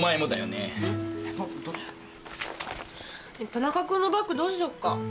ねえ田中君のバッグどうしようか。